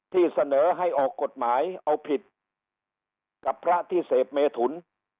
ที่เสนอให้ออกกฎหมายเอาผิดกับพระที่เสพเมถุน